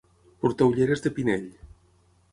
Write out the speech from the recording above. Portar ulleres de Pinell.